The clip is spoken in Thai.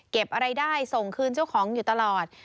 อะไรได้ส่งคืนเจ้าของอยู่ตลอด